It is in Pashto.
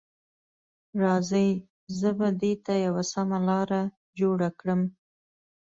راځئ، زه به دې ته یوه سمه لاره جوړه کړم.